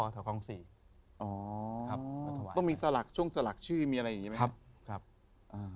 ต้องมีซาหรักช่วงซาหรักชื่อมีอะไรเหมือนกัน